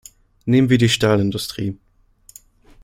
Nehmen wir die Stahlindustrie.